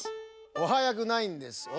おはやくないんです。